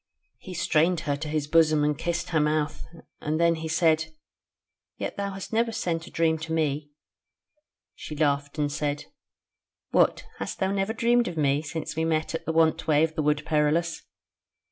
He strained her to his bosom and kissed her mouth, and then he said: "Yet thou hast never sent a dream to me." She laughed and said: "What! hast thou never dreamed of me since we met at the want way of the Wood Perilous?"